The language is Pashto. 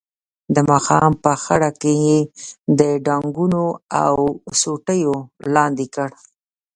د ماښام په خړه کې یې د ډانګونو او سوټیو لاندې کړ.